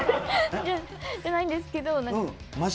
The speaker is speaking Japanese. じゃないんですけど。